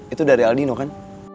itu dari aldino kan